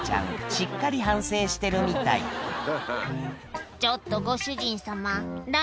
しっかり反省してるみたい「ちょっとご主人様何？